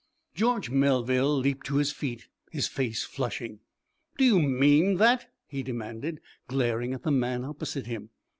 George Melville leaped to his feet, his face flushing. "Do you mean that?" he demanded, glaring at the man opposite him.